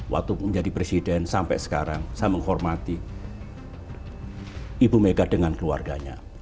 waktu menjadi presiden sampai sekarang saya menghormati ibu mega dengan keluarganya